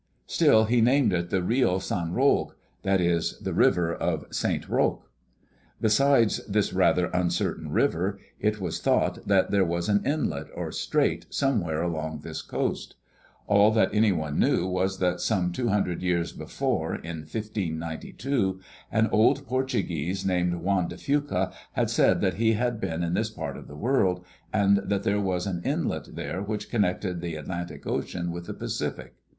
Still, he named it the Rio San Roque; that is, the River of Saint Roque. Besides this rather uncertain river, it was thought that there was an inlet, or strait, somewhere along this coast. All that anyone knew was that some two hundred years before, in 1592, an old Portuguese named Juan de Fuca had said that he had been in this part of the world, and that there was an inlet there which connected the Atlantic Ocean with the Pacific.